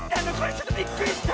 ちょっとびっくりした！